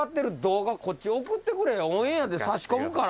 オンエアでさし込むから。